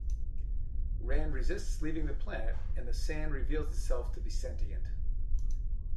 Rand resists leaving the planet, and the sand reveals itself to be sentient.